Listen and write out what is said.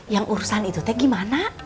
yang urusan itu teh gimana